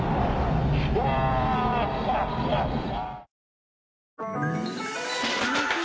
アッハッハッハ！